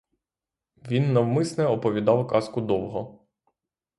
Він навмисне оповідав казку довго.